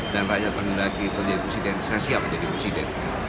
dan rakyat menghendaki itu menjadi presiden saya siap menjadi presiden